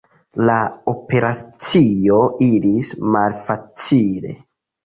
La operacio iris malfacile.